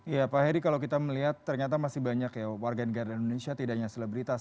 ya pak heri kalau kita melihat ternyata masih banyak ya warga negara indonesia tidak hanya selebritas